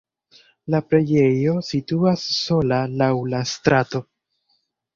La preĝejo situas sola laŭ la strato.